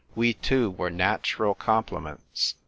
We two were natural complements.